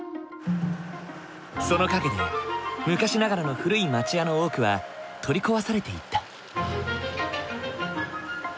その陰で昔ながらの古い町家の多くは取り壊されていった。